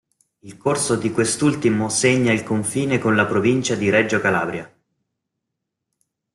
Il corso di quest'ultimo segna il confine con la provincia di Reggio Calabria.